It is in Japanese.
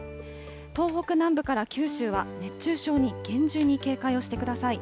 東北南部から九州は熱中症に厳重に警戒をしてください。